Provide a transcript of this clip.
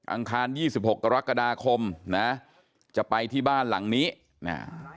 อังคาร๒๖ตรกฎาคมนะจะไปที่บ้านหลังนี้นะฮะ